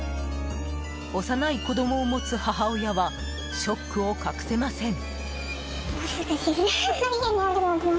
幼い子供を持つ母親はショックを隠せません。